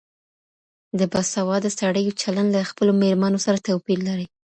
د باسواده سړيو چلند له خپلو مېرمنو سره توپير لري.